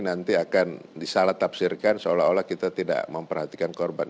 nanti akan disalah tafsirkan seolah olah kita tidak memperhatikan korban